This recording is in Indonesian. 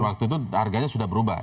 waktu itu harganya sudah berubah